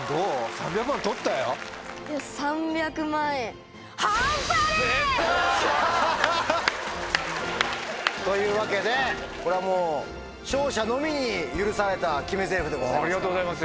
３００万円取ったよ！というわけでこれはもう勝者のみに許された決めぜりふでございます。